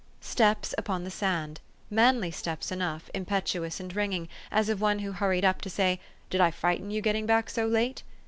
Steps upon the sand ; manly steps enough, im petuous and ringing, as of one who hurried up to say, i ' Did I frighten you getting back so late